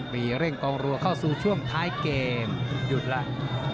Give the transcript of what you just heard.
มีเร่งกองรัวเข้าสู่ช่วงท้ายเกมหยุดแล้ว